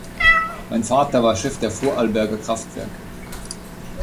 Mein Vater war Chef der Vorarlberger Kraftwerke.